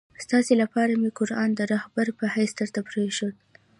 ستاسي لپاره مي قرآن د رهبر په حیث درته پرېښود.